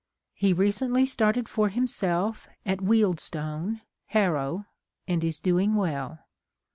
He recently started for him self at Wealdstone (Harrow) and is doing well.